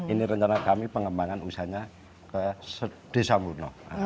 ini rencana kami pengembangan usahanya ke desa murno